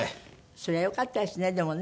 それはよかったですねでもね。